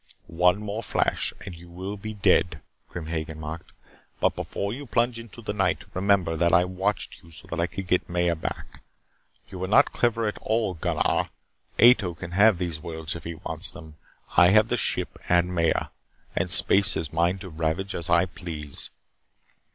"One more flash and you will be dead." Grim Hagen mocked. "But before you plunge into the night, remember that I watched you so I could get Maya back. You were not clever at all, Gunnar. Ato can have these worlds if he wants them. I have the ship and Maya. And space is mine to ravage as I please."